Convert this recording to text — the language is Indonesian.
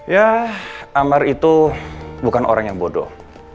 ya amar itu bukan orang yang bodoh